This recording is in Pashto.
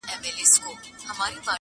لوى قاضي به گيند را خوشي پر ميدان كړ!!